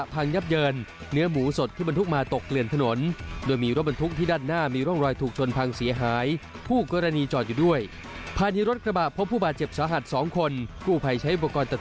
โปรดติดตามตอนต่อไป